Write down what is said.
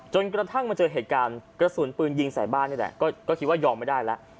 จนกระทั่งมาเจอเหตุการณ์กระสุนปืนยิงใส่บ้านนี่แหละก็คิดว่ายอมไม่ได้แล้ว